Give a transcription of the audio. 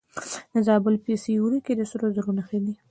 د زابل په سیوري کې د سرو زرو نښې شته.